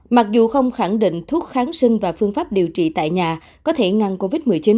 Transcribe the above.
mặc dù không khẳng định thuốc kháng sinh và phương pháp điều trị tại nhà có thể ngăn covid một mươi chín